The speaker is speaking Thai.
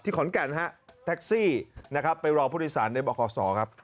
ที่ขอนกันนะครับแท็กซี่ไปรอผู้โดยสารในหมอคส